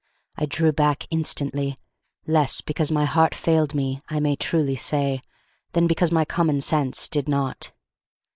I drew back instantly, less because my heart failed me, I may truly say, than because my common sense did not.